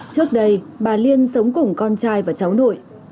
trước đây bà liên sống cùng con trai và cháu nội